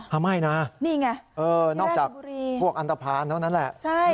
อ่าไม่น่ะนี่ไงเออนอกจากอันตรภัณฑ์เท่านั้นแหละใช่